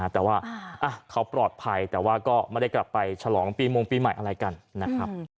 แต่ว่าเขาปลอดภัยแต่ว่าก็ไม่ได้กลับไปฉลองปีมงปีใหม่อะไรกันนะครับ